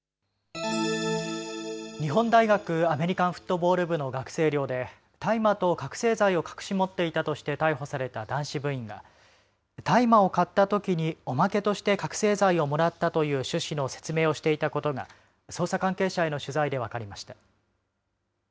日本大学アメリカンフットボール部の学生寮で大麻と覚醒剤を隠し持っていたとして逮捕された男子部員が大麻を買ったときにおまけとして覚醒剤をもらったという趣旨の説明をしていたことが捜査関係者への取材で分かりました。